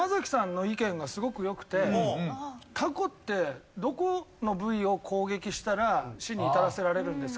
やっぱりタコってどこの部位を攻撃したら死に至らせられるんですか？